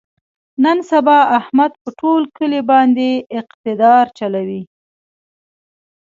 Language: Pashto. نن سبا احمد په ټول کلي باندې اقتدار چلوي.